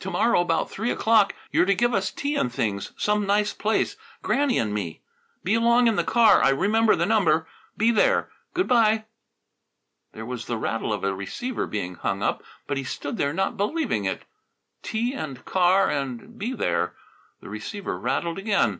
To morrow about three o'clock you're to give us tea and things, some nice place Granny and me. Be along in the car. I remember the number. Be there. Good bye!" There was the rattle of a receiver being hung up. But he stood there not believing it tea and car and be there The receiver rattled again.